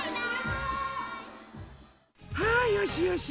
はいよしよし。